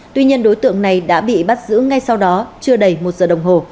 tuy nhiên đối tượng này đã bị bắt giữ ngay sau đó chưa đầy một giờ đồng hồ